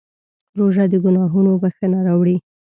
روژه د ګناهونو بښنه راوړي.